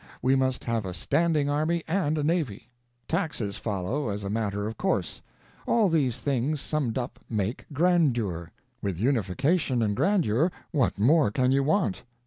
We must have a standing army and a navy. Taxes follow, as a matter of course. All these things summed up make grandeur. With unification and grandeur, what more can you want?